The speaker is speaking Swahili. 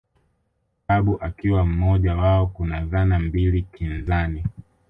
Babu akiwa mmoja wao Kuna dhana mbili kinzani